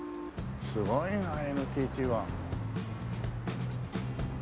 すごいなＮＴＴは。